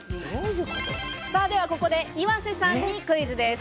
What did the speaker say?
ではここで岩瀬さんにクイズです。